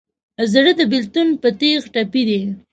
زړه د بېلتون په تیغ ټپي دی.